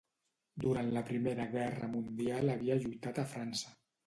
Durant la Primera Guerra Mundial havia lluitat a França.